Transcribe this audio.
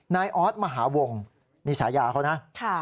นายออธมหาวงนี่ฉายาเขานะค่ะ